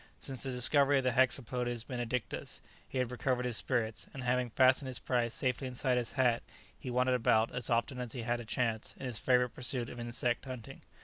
Since the discovery of the "Hexapodes Benedictus" he had recovered his spirits, and, having fastened his prize safely inside his hat, he wandered about, as often as he had a chance, in his favourite pursuit of insect hunting.